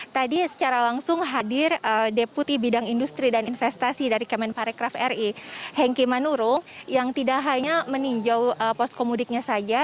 tadi secara langsung hadir deputi bidang industri dan investasi dari kemenparekraf ri hengki manurung yang tidak hanya meninjau poskomudiknya saja